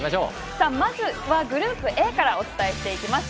まずはグループＡからお伝えしていきます。